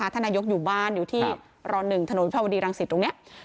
ท่านนายกอยู่บ้านอยู่ที่ร๑ถนนวิภาวดีรังสิตตรงนี้